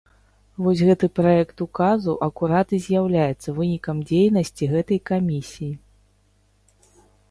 Вось гэты праект указу акурат і з'яўляецца вынікам дзейнасці гэтай камісіі.